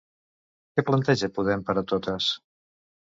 Què planteja Podem per a totes?